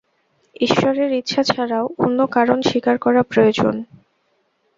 ঈশ্বরের ইচ্ছা ছাড়াও অন্য কারণ স্বীকার করা প্রয়োজন।